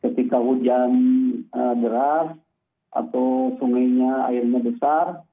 ketika hujan deras atau sungainya airnya besar